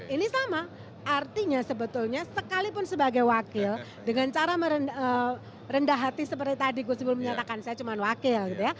ini sama artinya sebetulnya sekalipun sebagai wakil dengan cara merendah hati seperti tadi gus ipul menyatakan saya cuma wakil gitu ya